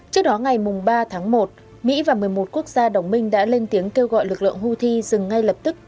trước đó ngày ba tháng một mỹ và một mươi một quốc gia đồng minh đã lên tiếng kêu gọi lực lượng houthi dừng ngay lập tức